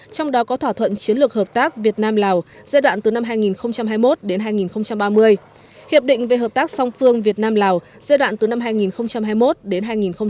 trong đó có thỏa thuận chiến lược hợp tác việt nam lào giai đoạn từ năm hai nghìn hai mươi một đến hai nghìn ba mươi hiệp định về hợp tác song phương việt nam lào giai đoạn từ năm hai nghìn hai mươi một đến hai nghìn hai mươi năm